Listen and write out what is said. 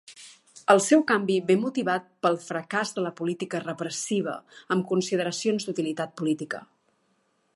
El seu canvi ve motivat pel fracàs de la política repressiva, amb consideracions d'utilitat política.